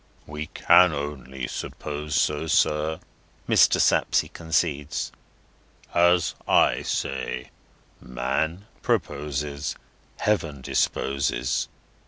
"We can only suppose so, sir," Mr. Sapsea coincides. "As I say, Man proposes, Heaven disposes.